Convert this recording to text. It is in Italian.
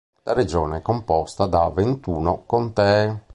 La regione è composta da ventuno contee.